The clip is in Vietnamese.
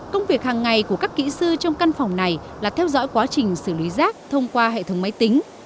công việc hàng ngày của các kỹ sư trong căn phòng này là theo dõi quá trình xử lý rác thông qua hệ thống máy tính